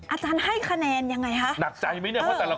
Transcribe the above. อาจารย์ให้คะแนนยังไงคะ